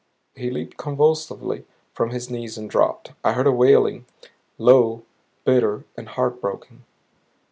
He leaped convulsively from his knees and dropped. I heard a wailing, low, bitter and heartbroken.